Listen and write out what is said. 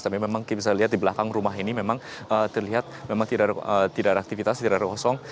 tapi memang bisa dilihat di belakang rumah ini memang terlihat memang tidak ada aktivitas tidak ada kosong